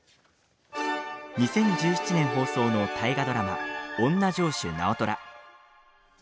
２０１７年放送の大河ドラマ「おんな城主直虎」。